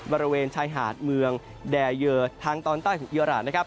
บริเวณชายหาดเมืองแดเยอร์ทางตอนใต้ของอิราณนะครับ